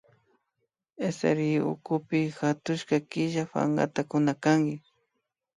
SRI ukupi hatushka killa pankata kunakanki